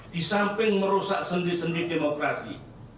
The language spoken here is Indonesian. di samping merusak sendi sendi demokrasi